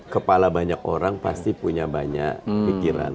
kepala banyak orang pasti punya banyak pikiran